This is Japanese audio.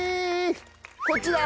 こっちだ。